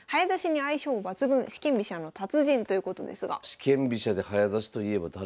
四間飛車で早指しといえば誰？